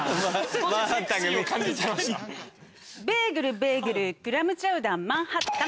ベーグルベーグルクラムチャウダーマンハッタン！